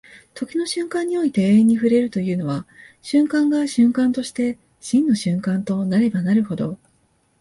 時の瞬間において永遠に触れるというのは、瞬間が瞬間として真の瞬間となればなるほど、